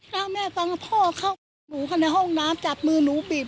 แล้วแม่ฟังพ่อเข้าหนูค่ะในห้องน้ำจับมือหนูบีบ